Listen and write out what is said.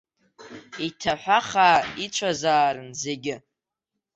Иҭаҳәахаа ицәазаарын зегьы.